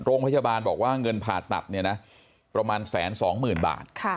โรงพยาบาลบอกว่าเงินผ่าตัดเนี่ยนะประมาณแสนสองหมื่นบาท